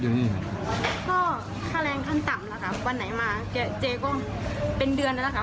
ยังไงค่ะค่าแรงทำต่ำแล้วค่ะวันไหนมาเจ๊ก็เป็นเดือนแล้วค่ะ